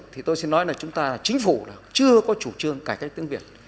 thì tôi xin nói là chúng ta chính phủ chưa có chủ trương cải cách tiếng việt